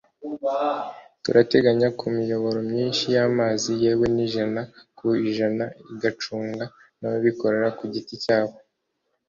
turateganya ko imiyoboro myinshi y’amazi yewe n’ijana ku ijana igacunga n’abikorera ku giti cyabo